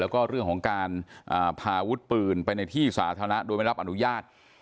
แล้วก็เรื่องของการพาอาวุธปืนไปในที่สาธารณะโดยไม่รับอนุญาต